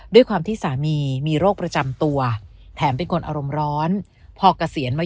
ด้วยความที่สามีมีโรคประจำตัวแถมเป็นคนอารมณ์ร้อนพอเกษียณมา